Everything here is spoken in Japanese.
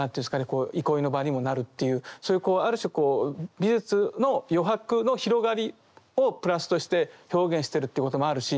こう憩いの場にもなるというそういうある種こう美術の余白の広がりを「プラス」として表現してるっていうこともあるし